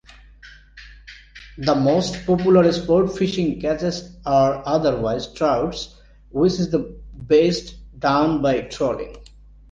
The most popular sport-fishing catches are otherwise trouts, which is best done by trolling.